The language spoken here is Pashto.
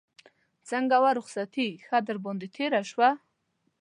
څنګه وه رخصتي ښه در باندې تېره شوه.